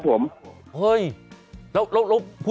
คุณติเล่าเรื่องนี้ให้ฮะ